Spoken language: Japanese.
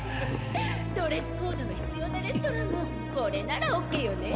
ドレスコードの必要なレストランもこれならＯＫよね